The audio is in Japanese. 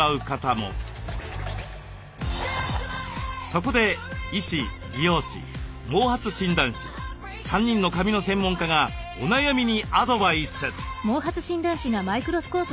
そこで医師美容師毛髪診断士３人の髪の専門家がお悩みにアドバイス。